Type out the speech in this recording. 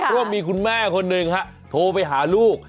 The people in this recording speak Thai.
เพราะว่ามีคุณแม่คนหนึ่งฮะโทรไปหาลูก